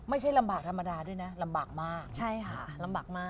ไม่ใช่ลำบากธรรมดาด้วยนะลำบากมาก